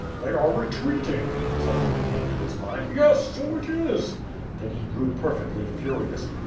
"They are retreating,*' suddenly came to his mind, "yes, 80 it is." Then he grew perfectly furious.